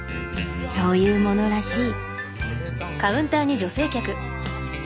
そういうものらしい。